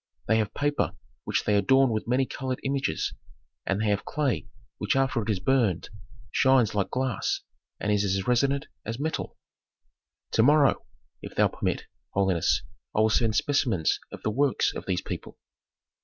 They have paper which they adorn with many colored images, and they have clay which after it is burned shines like glass, and is as resonant as metal. "To morrow, if thou permit, holiness, I will send specimens of the works of these people."